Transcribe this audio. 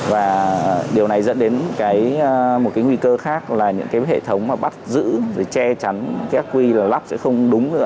và điều này dẫn đến một cái nguy cơ khác là những cái hệ thống bắt giữ che chắn cái ác quy là lắp sẽ không đúng nữa